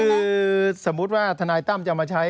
คือสมมุติว่าทนายตั้มจะมาใช้